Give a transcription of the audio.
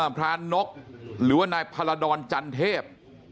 พรานกหรือว่านายพาราดรจันเทพ